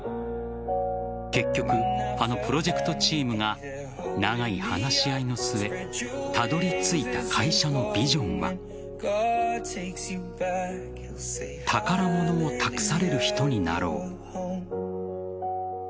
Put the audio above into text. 結局、あのプロジェクトチームが長い話し合いの末たどり着いた会社のビジョンは宝物を託される人になろう。